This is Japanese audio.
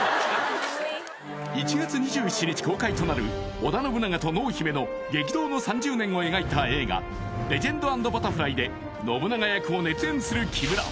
織田信長と濃姫の激動の３０年を描いた映画「レジェンド＆バタフライ」で信長役を熱演する木村